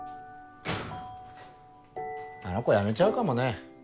あの子辞めちゃうかもね。